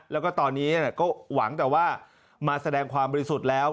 แล้วก็ตอนนี้ก็หวังแต่ว่ามาแสดงความบริสุทธิ์แล้ว